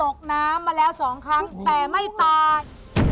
ตกน้ำมาแล้วสองครั้งแต่ไม่ตาย